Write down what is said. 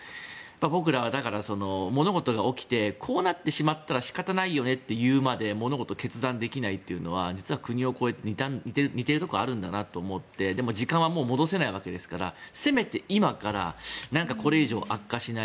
僕らは、だから、物事が起きてこうなってしまったら仕方ないよねっていうまで物事を決断できないのは実は国を越えて似ているところがあるんだなと思ってでも時間は戻せないのでせめて今から何かこれ以上悪化しない